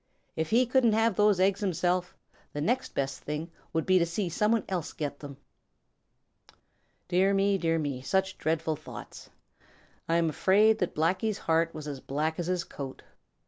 If he couldn't have those eggs himself, the next best thing would be to see some one else get them. Dear me, dear me, such dreadful thoughts! I am afraid that Blacky's heart was as black as his coat.